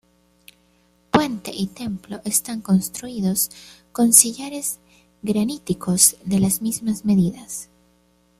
Puente y templo están construidos con sillares graníticos de las mismas medidas.